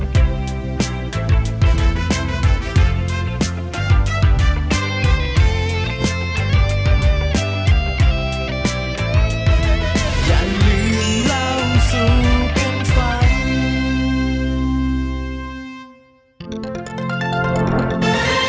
สวัสดีครับสวัสดีครับ